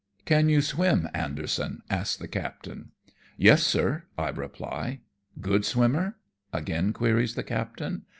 " Can you swim, Anderson ?" asks the captain. " Yes, sir," I reply. " Good swimmer ?" again queries the captain.